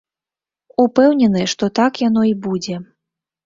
Упэўнены, што так яно і будзе.